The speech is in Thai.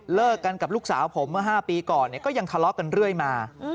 เลิกกันกับลูกสาวผมเมื่อ๕ปีก่อนก็ยังทะเลาะกันเรื่อยมา